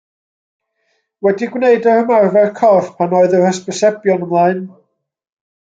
Wedi gwneud yr ymarfer corff pan oedd yr hysbysebion ymlaen.